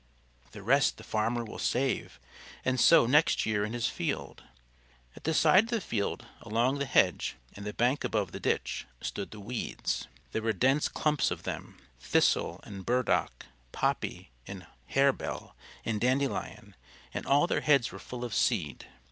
The rest the farmer will save, and sow next year in his field." At the side of the field, along the hedge, and the bank above the ditch, stood the weeds. There were dense clumps of them Thistle and Burdock, Poppy and Harebell, and Dandelion; and all their heads were full of seed.